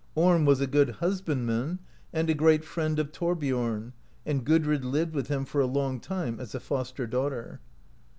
Orm was a good hus bandman, and a great friend of Thorbiom, and Gudrid lived with him for a long time as a foster daughter.